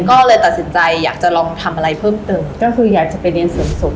พอดีเพื่อนที่แบบทำผมอะไรเงี้ย